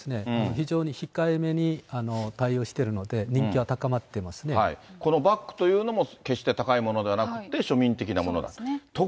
非常に控えめに対応しているので、このバッグというのも決して高いものではなくて、庶民的なものだと。